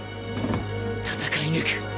戦い抜く！